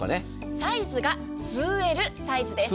サイズが２Ｌサイズです。